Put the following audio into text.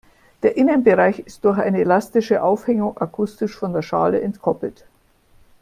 Der Innenbereich ist durch eine elastische Aufhängung akustisch von der Schale entkoppelt.